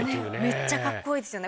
めっちゃカッコいいですよね。